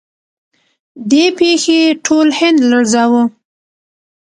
دې پیښې ټول هند لړزاوه.